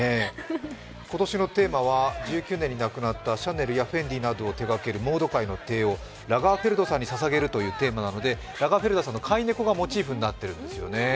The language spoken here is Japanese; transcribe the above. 今年のテーマは１９年になくなったＣＨＡＮＥＬやフェンディーなどを手がけるモード界の帝王、ラガーフェルトさんに捧げるということなのでラガーフェルトさんの飼い猫がモチーフになっているんですよね。